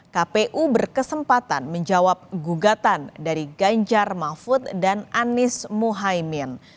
kpu berkesempatan menjawab gugatan dari ganjar mahfud dan anies muhaymin